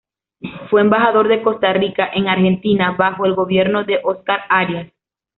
Fue embajador de Costa Rica en Argentina bajo el gobierno de Óscar Arias.